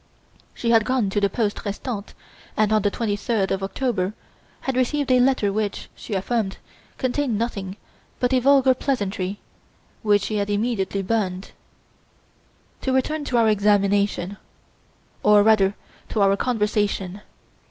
She had gone to the poste restante and, on the 23rd of October, had received a letter which, she affirmed, contained nothing but a vulgar pleasantry, which she had immediately burned. To return to our examination, or rather to our conversation.